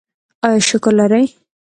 ایا شکر لرئ؟